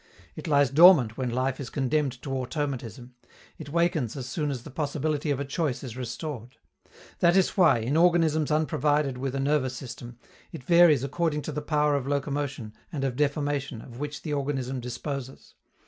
It lies dormant when life is condemned to automatism; it wakens as soon as the possibility of a choice is restored. That is why, in organisms unprovided with a nervous system, it varies according to the power of locomotion and of deformation of which the organism disposes.